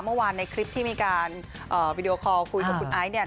เมื่อวานในคลิปที่มีการวิดีโอคอลคุยกับคุณไอซ์เนี่ย